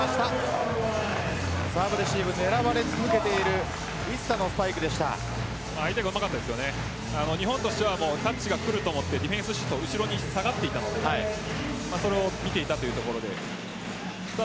サーブレシーブ狙われ続けている日本としては、もうタッチがくると思ってディフェンスが後ろに下がっていたのでそれを見ていたというところです。